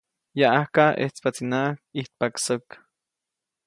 Yaʼajka ʼejtspaʼtsinaʼajk ʼijtpaʼk säk.